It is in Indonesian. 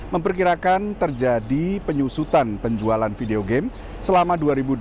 memperkirakan terjadi penyusutan penjualan video game selama dua ribu dua puluh tiga